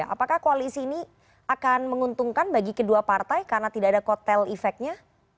apakah koalisi ini akan menguntungkan bagi kedua partai karena tidak ada kotel efeknya